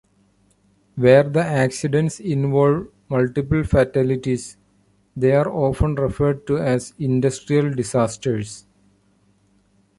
Where the accidents involve multiple fatalities they are often referred to as industrial disasters.